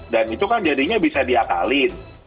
dan itu kan jadinya bisa diakalin